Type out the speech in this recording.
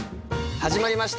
始まりました。